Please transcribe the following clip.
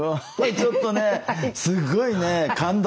ちょっとねすごいね感動。